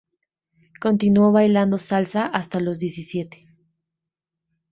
Continuó bailando salsa hasta los diecisiete.